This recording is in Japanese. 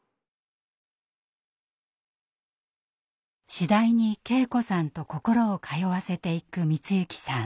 次第に圭子さんと心を通わせていく光行さん。